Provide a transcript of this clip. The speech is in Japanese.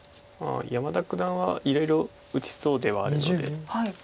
山田九段はいろいろ打ちそうではあるので。